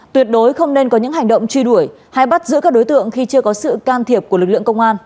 tuyệt đối không nên có những hành động truy đuổi hay bắt giữ các đối tượng khi chưa có sự can thiệp của lực lượng công an